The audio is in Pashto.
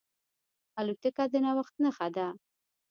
الوتکه د نوښت نښه ده.